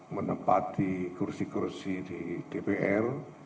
menempati kursi kursi di dpr